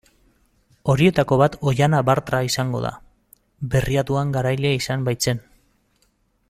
Horietako bat Oihana Bartra izango da, Berriatuan garaile izan baitzen.